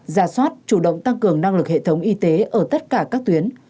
ra soát chủ động tăng cường năng lực hệ thống y tế ở tất cả các tuyến